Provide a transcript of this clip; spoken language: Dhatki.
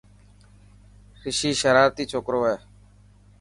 رشي شرارتي ڇوڪرو هي.